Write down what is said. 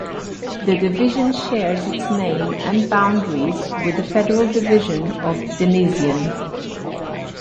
The division shares its name and boundaries with the federal division of Denision.